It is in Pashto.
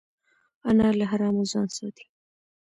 انا له حرامو ځان ساتي